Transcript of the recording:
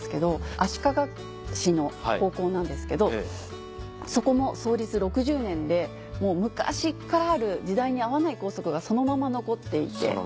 足利市の高校なんですけどそこも創立６０年で昔からある時代に合わない校則がそのまま残っていて。